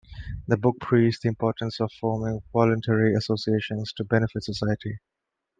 The book preached the importance of forming voluntary associations to benefit society.